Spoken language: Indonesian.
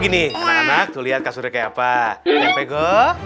ini lihat kasurnya kayak apa